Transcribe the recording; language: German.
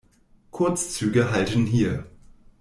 Kurzzüge halten hier.